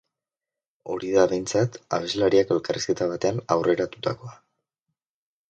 Hori da, behintzat, abeslariak elkarrizketa batean aurreratutakoa.